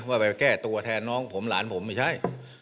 ว่าไปแก้ตัวแทนน้องผมหลานผมไม่ใช่